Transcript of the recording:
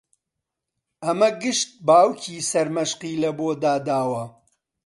ئەمە گشت باوکی سەرمەشقی لەبۆ داداوە